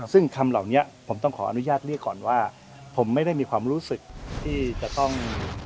ซึ่งคำเหล่านี้ผมต้องขออนุญาตเรียกก่อนว่าผมไม่ได้มีความรู้สึกที่จะต้อง